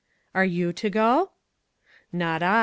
"Are you to go?" "Not I.